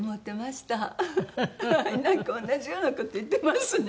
なんか同じような事言ってますね